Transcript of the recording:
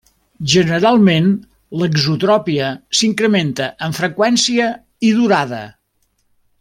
Generalment, l'exotropia s'incrementa en freqüència i durada.